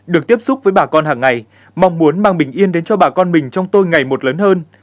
được tiếp xúc với bà con hàng ngày mong muốn mang bình yên đến cho bà con mình trong tôi ngày một lớn hơn